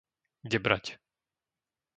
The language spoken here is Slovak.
Debraď